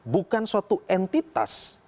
bukan suatu entitas